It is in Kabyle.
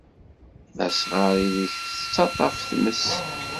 D asɣar ideg tettaṭṭaf tmes